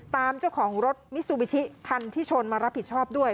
ตามเจ้าของรถมิซูบิชิคันที่ชนมารับผิดชอบด้วย